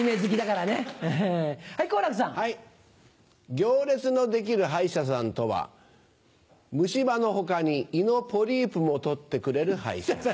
行列の出来る歯医者さんとは虫歯の他に胃のポリープも取ってくれる歯医者さん。